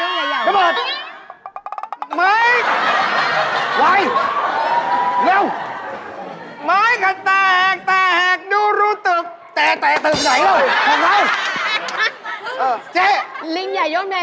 เฮ่ยเฮ่ยเฮ่ยเฮ่ย